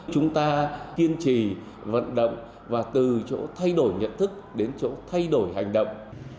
chúng ta kiên trì vận động và từ chỗ thay đổi nhận thức đến chỗ thay đổi hành động